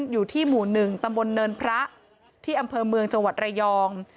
อยู่ที่หมู่๑ตำบลเนินพระที่อำเภอเมืองจังหวัดระยอง